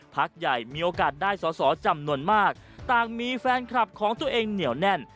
พักใหญ่มีโอกาสได้สอสอจำนวนมากต่างมีแฟนคลับของตัวเองเหนียวแน่น